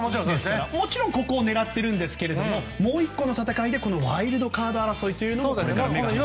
もちろんここを狙ってるんですがもう１個の戦いでこのワイルドカード争いもこれから目が離せませんね。